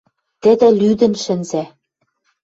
Тӹдӹ лӱдӹн шӹнзӓ